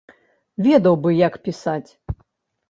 Ведаў бы, як пісаць!